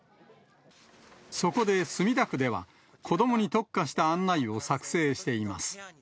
そこで、墨田区では、子どもに特化した案内を作成しています。